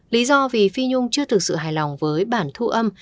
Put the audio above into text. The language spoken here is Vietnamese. lý do vì phi nhung chưa thực sự hài lòng với bản thu âm